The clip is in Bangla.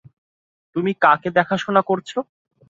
তুমি কাকে দেখাশোনা করছ?